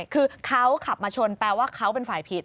คือเขาขับมาชนแปลว่าเขาเป็นฝ่ายผิด